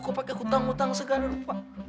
kok pakai hutang hutang segar lho